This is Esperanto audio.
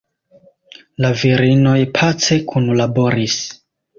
La virinoj pace kunlaboris.